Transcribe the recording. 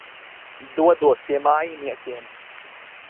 Dodos pie mājiniekiem.